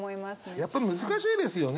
やっぱり難しいですよね